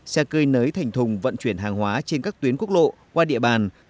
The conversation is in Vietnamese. xe cơi nới thành thùng vận chuyển hàng hóa trên các tuyến quốc lộ qua địa bàn